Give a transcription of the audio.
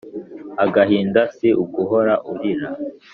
Agahinda si uguhora urira.